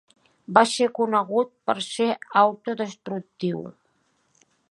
Va ser conegut per ser autodestructiu.